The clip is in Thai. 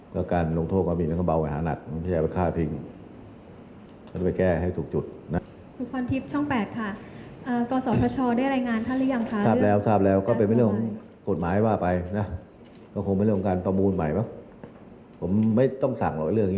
ก็การลงโทษก็มีนักบัลแหวะหานัดแม้ประชาปัจจุทั้ง